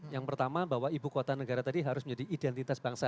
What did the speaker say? yang pertama bahwa ibu kota negara tadi harus menjadi identitas bangsa